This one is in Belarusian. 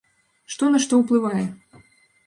Што на што ўплывае?